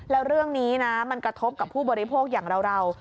แล้วเรื่องนี้นะมันกระทบกับผู้บริโภคอย่างเรา